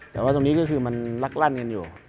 แต่ว่าตรงนี้ก็คือมันลักลั่นกันอยู่